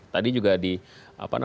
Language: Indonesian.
tadi juga di apa namanya data di politik